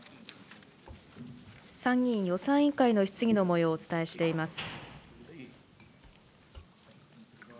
参議院予算委員会の質疑のもようをお伝えしています。